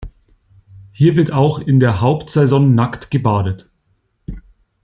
Hier wird auch in der Hauptsaison nackt gebadet.